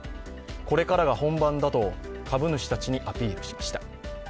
これからが本番だと株主たちにアピールしました。